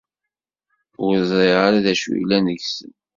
Ur zṛiɣ ara d acu yellan deg-sen.